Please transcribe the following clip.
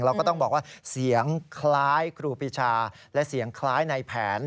ก็ต้องบอกว่าเสียงคล้ายครูปีชาและเสียงคล้ายในแผน